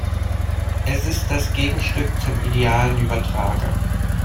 Es ist das Gegenstück zum idealen Übertrager.